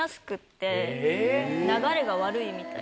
流れが悪いみたいで。